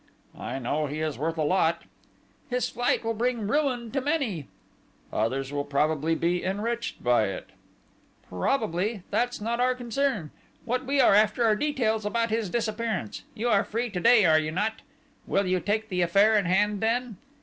"I know he is worth a lot." "His flight will bring ruin to many." "Others will probably be enriched by it!" "Probably. That is not our concern. What we are after are details about his disappearance. You are free to day, are you not? Will you take the affair in hand then?